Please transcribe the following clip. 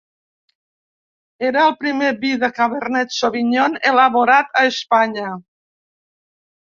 Era el primer vi de cabernet sauvignon elaborat a Espanya.